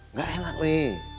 nggak enak nih